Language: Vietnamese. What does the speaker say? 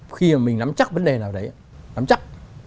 khi mà mình nắm chắc vấn đề nào đấy nắm chắc